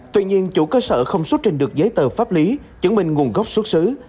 tuy nhiên chủ cơ sở không xuất trình được giấy tờ pháp lý chứng minh nguồn gốc xuất xứ